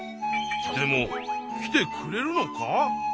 でも来てくれるのか？